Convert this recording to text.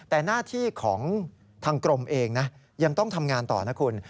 แต่หน้าที่ของทางกรมเองนะยังต้องทำงานต่อนะคุณ